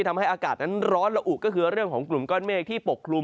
ทำให้อากาศนั้นร้อนละอุก็คือเรื่องของกลุ่มก้อนเมฆที่ปกคลุม